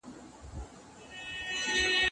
که منابع نه وي پرمختګ نسته.